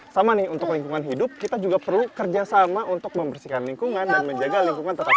sama nih untuk lingkungan hidup kita juga perlu kerjasama untuk membersihkan lingkungan dan menjaga lingkungan tetap sehat